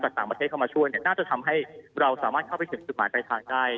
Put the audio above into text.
ต่างประเทศเข้ามาช่วยเนี่ยน่าจะทำให้เราสามารถเข้าไปถึงจุดหมายปลายทางได้